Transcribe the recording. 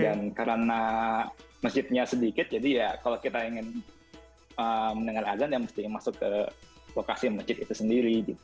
dan karena masjidnya sedikit jadi ya kalau kita ingin mendengar azan ya mesti masuk ke lokasi masjid itu sendiri gitu